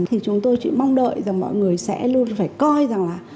thì chúng tôi chỉ mong đợi rằng mọi người sẽ luôn phải coi rằng là